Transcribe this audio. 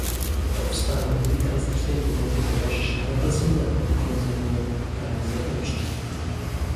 Powstaniu militarystycznej Europy towarzyszy represyjne odgrodzenie granic zewnętrznych